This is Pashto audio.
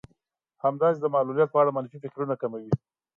همداسې د معلوليت په اړه منفي فکرونه کموي.